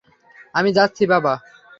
আমি যাচ্ছি, বাবা।